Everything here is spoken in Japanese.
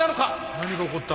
何が起こった？